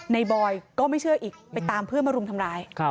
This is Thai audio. บอยก็ไม่เชื่ออีกไปตามเพื่อนมารุมทำร้าย